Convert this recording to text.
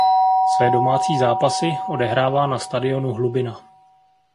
Své domácí zápasy odehrává na stadionu Hlubina.